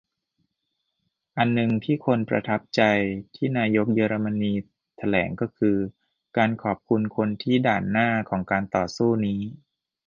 อันนึงที่คนประทับใจที่นายกเยอรมนีแถลงก็คือ การขอบคุณคนที่ "ด่านหน้า" ของการต่อสู้นี้